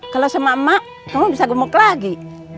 kalau sama emak kamu bisa gemuk lagi